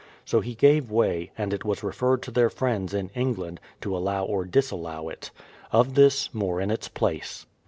So he gave way, and it was referred to their friends in England, to allow or dis allow it. Of this, more in its place.